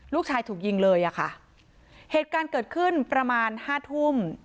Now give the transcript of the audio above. ลูกชายถูกยิงเลยอ่ะค่ะเหตุการณ์เกิดขึ้นประมาณห้าทุ่ม